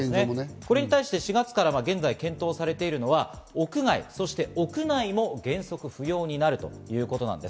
これに対して４月から検討されているのが屋外、屋内も原則不要になるということです。